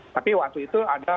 tapi waktu itu ada